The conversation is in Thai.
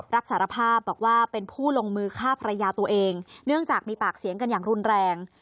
รับสารภาพบอกว่าเป็นผู้ลงมือฆ่าภรรยาตัวเองเนื่องจากมีปากเสียงกันอย่างรุนแรง